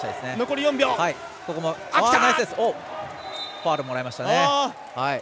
ファウルもらいましたね。